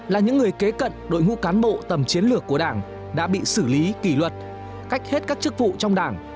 là những người kế cận đội ngũ cán bộ tầm chiến lược của đảng đã bị xử lý kỷ luật cách hết các chức vụ trong đảng